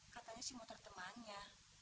katanya si motor temannya